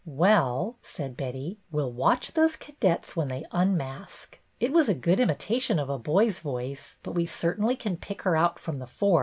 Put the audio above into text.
" Well," said Betty, " We 'll watch those cadets when they unmask. It was a good imitation of a boy's voice; but we certainly can pick her out from the four."